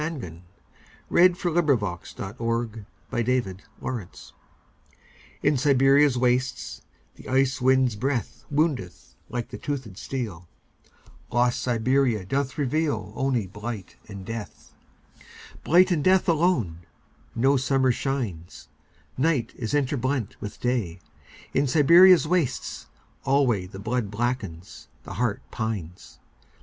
Asiatic Russia: Siberia Siberia By James Clarence Mangan (1803–1849) IN Siberia's wastesThe ice wind's breathWoundeth like the toothéd steel; Lost Siberia doth revealOnly blight and death. Blight and death alone.No summer shines. Night is interblent with Day.In Siberia's wastes alwayThe blood blackens, the heart pines.